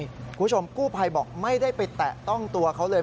คุณผู้ชมกู้ภัยบอกไม่ได้ไปแตะต้องตัวเขาเลย